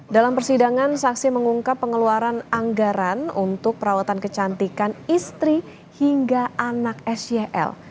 dalam persidangan saksi mengungkap pengeluaran anggaran untuk perawatan kecantikan istri hingga anak syl